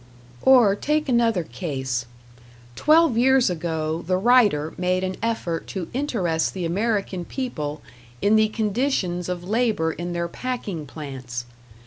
Or take another case. Twelve years ago the writer made an effort to interest the American people in the conditions of labor in their packing plants.